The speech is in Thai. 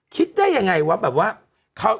คิดได้ยังไงว่าแบบว่า